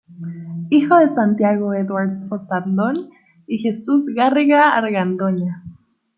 Hijo de Santiago Edwards Ossandón y Jesús Garriga Argandoña.